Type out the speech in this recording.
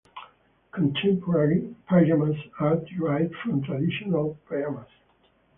Contemporary pajamas are derived from traditional pajamas.